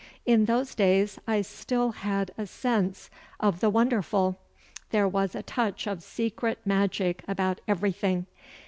In those days I still had a sense of the wonderful. There was a touch of secret magic about everything.